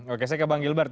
oke saya ke bang gilbert